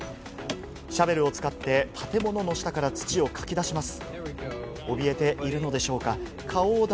シャベルを使って建物の下から土をかき出します。